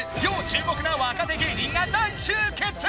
注目な若手芸人が大集結！